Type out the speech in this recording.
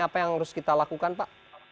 apa yang harus kita lakukan pak